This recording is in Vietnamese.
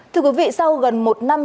thưa quý vị sau gần một năm